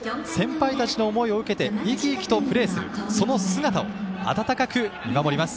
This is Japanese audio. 先輩たちの思いを受けて生き生きとプレーする姿を温かく見守ります。